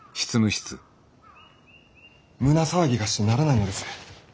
胸騒ぎがしてならないのです。